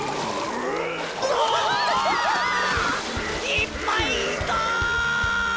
いっぱいいた！